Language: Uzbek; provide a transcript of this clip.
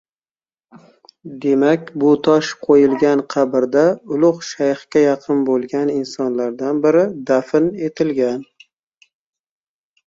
Demak, bu tosh qoʻyilgan qabrda ulugʻ shayxga yaqin boʻlgan insonlardan biri dafn etilgan